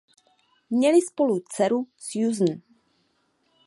Měli spolu dceru Suzanne.